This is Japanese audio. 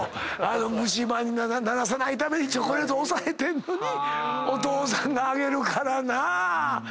虫歯にならさないためにチョコレート抑えてんのにお父さんがあげるからなぁ。